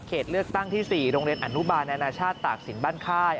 เลือกตั้งที่๔โรงเรียนอนุบาลนานาชาติตากศิลปบ้านค่าย